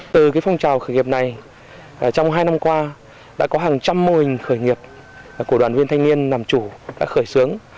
từ phong trào khởi nghiệp này trong hai năm qua đã có hàng trăm mô hình khởi nghiệp của đoàn viên thanh niên làm chủ đã khởi xướng